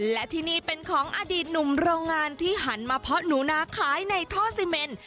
และที่นี่เป็นของอดีตหนุ่มโรงงานที่หันมาเพาะหนูนาขายในท่อซีเมน